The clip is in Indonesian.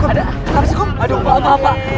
ada tangan di sini pak